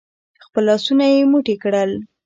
خپل لاسونه يې موټي کړل.